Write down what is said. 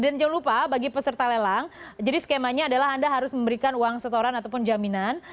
dan jangan lupa bagi peserta lelang jadi skemanya adalah anda harus memberikan uang setoran ataupun jaminan